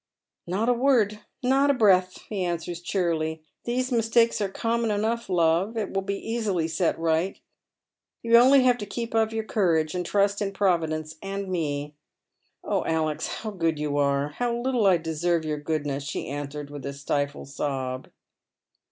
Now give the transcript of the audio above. " Not a word, not a breath," he answers, cheerily. " These mistakes are common enough, love. It will be easily set right. You have only to keep up your courage and trust in Providence and me." " Oh, Alex, how good you are I and how little I deserve your goodness I " she answers, with a stifled sob.